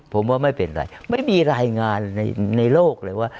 ผมว่าไม่เป็นไรไม่มีรายงานในโลกเลยว่า